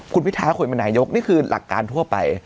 คุณพิทาคุยเป็นนายกนี่คือหลักการทั่วไป